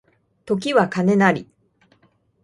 時は金なり